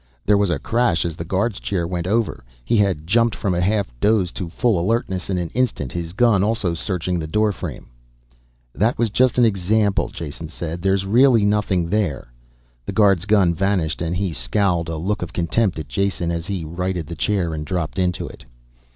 There was a crash as the guard's chair went over. He had jumped from a half doze to full alertness in an instant, his gun also searching the doorframe. "That was just an example," Jason said. "There's really nothing there." The guard's gun vanished and he scowled a look of contempt at Jason, as he righted the chair and dropped into it.